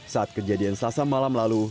saat kejadian selasa malam lalu